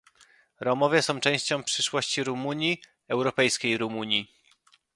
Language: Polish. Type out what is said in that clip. Romowie są częścią przyszłości Rumunii, europejskiej Rumunii